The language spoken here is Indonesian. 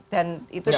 dan itu tentu